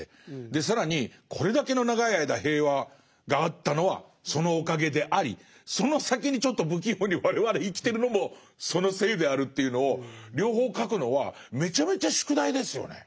更にこれだけの長い間平和があったのはそのおかげでありその先にちょっと不器用に我々生きてるのもそのせいであるというのを両方書くのはめちゃめちゃ宿題ですよね。